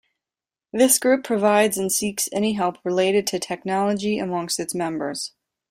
This group provides and seeks any help related to technology amongst its members.